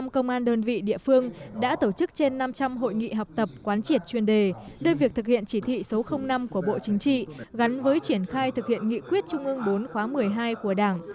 một trăm linh công an đơn vị địa phương đã tổ chức trên năm trăm linh hội nghị học tập quán triệt chuyên đề đưa việc thực hiện chỉ thị số năm của bộ chính trị gắn với triển khai thực hiện nghị quyết trung ương bốn khóa một mươi hai của đảng